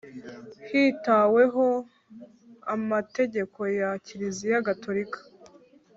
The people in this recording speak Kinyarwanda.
hitaweho amategeko ya Kiliziya Gatolika